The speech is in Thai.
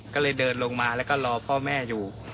ก็เลยเดินลงมาแล้วก็รอพ่อแม่อยู่